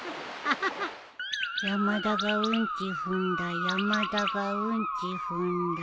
山田がうんち踏んだ山田がうんち踏んだ